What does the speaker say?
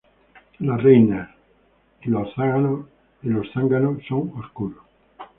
Las reinas y zánganos son oscuros.